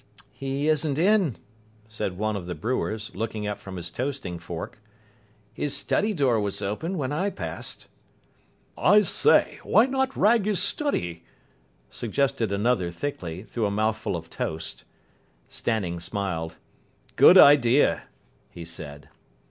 "He isn't in," said one of the brewers, looking up from his toasting fork. "His study door was open when I passed." "I say, why not rag his study?" suggested another thickly, through a mouthful of toast. Stanning smiled. "Good idea," he said.